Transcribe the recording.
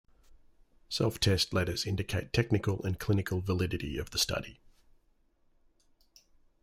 Self-test letters indicate technical and clinical validity of the study.